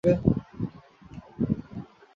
এখনি দিতে হইবে।